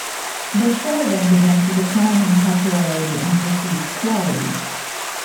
The show then began to decline in popularity and perceived quality.